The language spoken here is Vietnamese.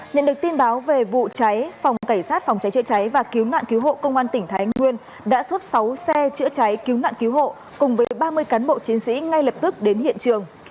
nhận được tin báo về vụ cháy phòng cảnh sát phòng cháy chữa cháy và cứu nạn cứu hộ công an tỉnh thái nguyên đã xuất sáu xe chữa cháy cứu nạn cứu hộ cùng với ba mươi cán bộ chiến sĩ ngay lập tức đến hiện trường